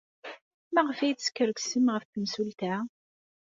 Maɣef ay teskerksem ɣef temsulta?